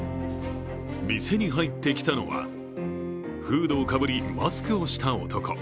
店に入ってきたのは、フードをかぶり、マスクをした男。